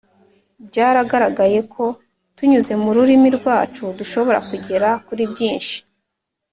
byaragaragaye ko tunyuze mu rurimi rwacu dushobora kugera kuri byinshi,